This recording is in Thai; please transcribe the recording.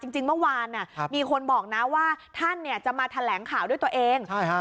จริงเมื่อวานมีคนบอกนะว่าท่านเนี่ยจะมาแถลงข่าวด้วยตัวเองใช่ฮะ